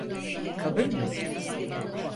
Kabul mü?